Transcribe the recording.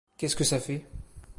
Qu'est-ce que ça fait ?